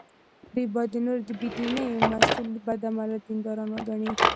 دوی باید د نورو د بې دینۍ مسوول بد عمله دینداران وګڼي.